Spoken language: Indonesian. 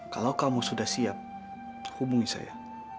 kalau kamu sudah siap hubungi saya